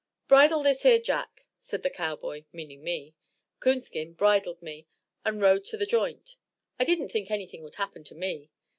"Bridle this 'ere jack," said the cowboy, meaning me. Coonskin bridled me and rode to the joint. I didn't think anything would happen to me.